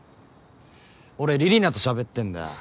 俺李里奈としゃべってんだよ。